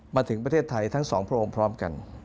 มาถึงประเทศไทยทั้งสองพระองค์พร้อมกัน